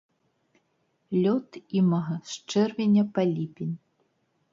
Лёт імага з чэрвеня па ліпень.